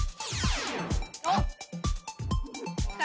あっ。